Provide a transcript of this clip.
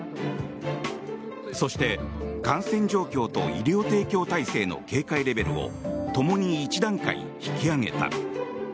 そして感染状況と医療提供体制の警戒レベルをともに１段階引き上げた。